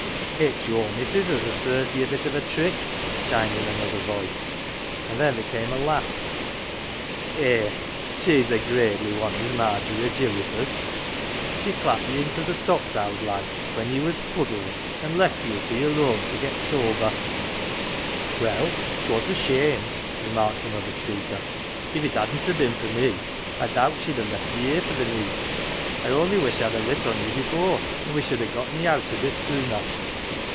""" Ifs your missus as has served ye a bit of a trick," chimed in another voice, and then there came a laugh. " Eh, she^s a gradely one, is Margery o 1 Gilly Fers ! She clapped ye into the stocks, owd lad, when ye was fuddled, and left ye your lone to get sober." 12.9 i "THE GILLY F'ERS" " Well, 'twas a shame," remarked another speaker. " If it hadn't ha 1 been for me I doubt she'd have left ye here for th' neet. I only wish I'd ha' lit on ye before, an' we sh'd ha' gotten ye out a bit sooner."